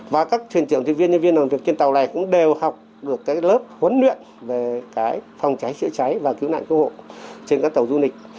và các thuyền trưởng thuyền viên nhân viên làm việc trên tàu này cũng đều học được các lớp huấn luyện về phòng cháy chữa cháy và cứu nạn cứu hộ trên các tàu du lịch